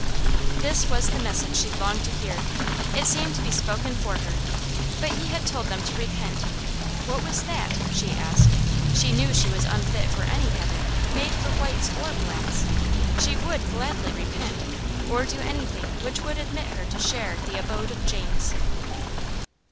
This was the message she longed to hear; it seemed to be spoken for her. But he had told them to repent; "what was that?" she asked. She knew she was unfit for any heaven, made for whites or blacks. She would gladly repent, or do anything which would admit her to share the abode of James.